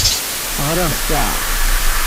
Ɣriɣ ssaɛa.